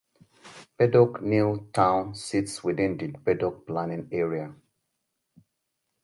Bedok New Town sits within the Bedok Planning Area.